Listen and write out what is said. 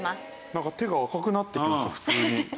なんか手が赤くなってきました普通に。